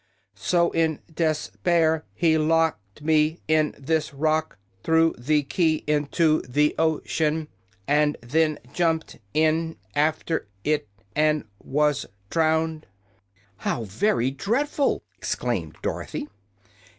So, in de spair, he locked me up in this rock, threw the key in to the o cean, and then jumped in af ter it and was drowned." "How very dreadful!" exclaimed Dorothy.